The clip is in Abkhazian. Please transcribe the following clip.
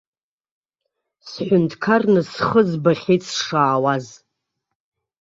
Сҳәынҭқарны схы збахьеит сшаауаз.